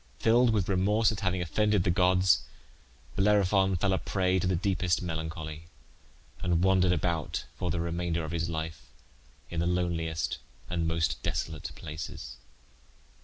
Filled with remorse at having offended the gods Bellerophon fell a prey to the deepest melancholy, and wandered about for the remainder of his life in the loneliest and most desolate places.